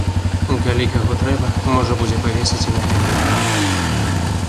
Калі каго трэба, можна будзе павесіць і на гэтай браме.